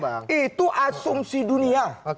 bukan itu asumsi dunia